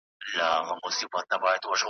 سیند به روان وي د کونړونو .